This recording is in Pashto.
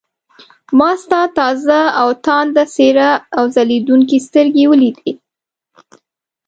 ما ستا تازه او تانده څېره او ځلېدونکې سترګې ولیدې.